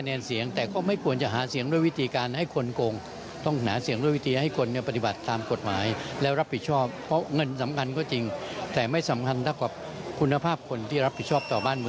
เที่ยวที่แล้วไม่ได้เลยเที่ยวนี้ได้จักรหนึ่งคนก็ได้ร้อยละร้อยครับผม